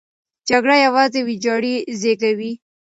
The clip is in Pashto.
جګړه یوازې ویجاړۍ زېږوي.